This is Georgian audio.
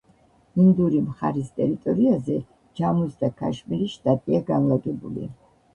ინდური მხარის ტერიტორიაზე ჯამუს და ქაშმირის შტატია განლაგებული.